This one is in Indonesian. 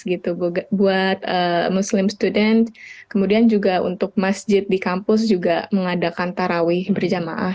gitu buat muslim student kemudian juga untuk masjid di kampus juga mengadakan tarawih berjamaah